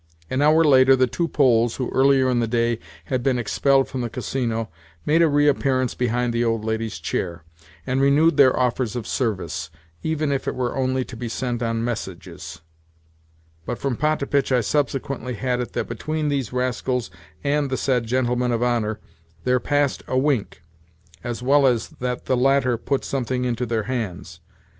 An hour later the two Poles who, earlier in the day, had been expelled from the Casino, made a reappearance behind the old lady's chair, and renewed their offers of service—even if it were only to be sent on messages; but from Potapitch I subsequently had it that between these rascals and the said "gentleman of honour" there passed a wink, as well as that the latter put something into their hands.